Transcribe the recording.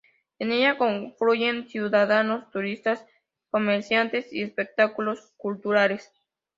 En ella confluyen ciudadanos, turistas, comerciantes y espectáculos culturales.